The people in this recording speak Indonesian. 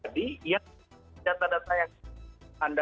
jadi iya data data yang anda